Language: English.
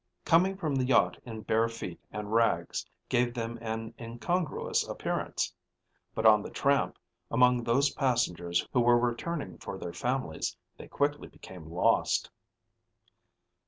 Coming from the yacht in bare feet and rags gave them an incongruous appearance. But on the tramp, among those passengers who were returning for their families, they quickly became lost.